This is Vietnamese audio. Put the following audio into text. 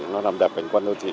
nó làm đẹp cảnh quan đô thị